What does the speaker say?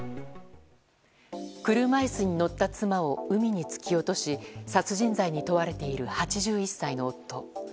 車椅子に乗った妻を海に突き落とし殺人罪に問われている８１歳の夫。